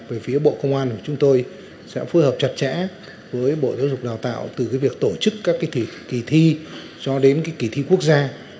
về phía bộ công an thì chúng tôi sẽ phối hợp chặt chẽ với bộ giáo dục đào tạo từ việc tổ chức các kỳ thi cho đến kỳ thi quốc gia